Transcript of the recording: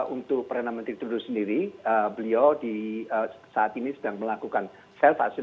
untuk perdana menteri trudeau sendiri beliau saat ini sedang melakukan self isolation